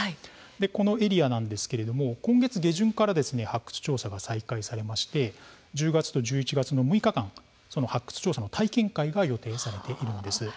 このエリアでは今月下旬から発掘調査が再開され１０月と１１月の６日間発掘調査の体験会が予定されています。